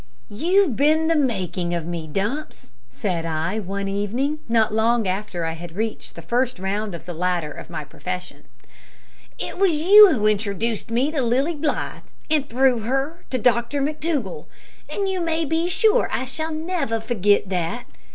"You've been the making of me, Dumps," said I, one evening, not long after I had reached the first round of the ladder of my profession. "It was you who introduced me to Lilly Blythe, and through her to Dr McTougall, and you may be sure I shall never forget that!